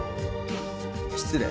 失礼。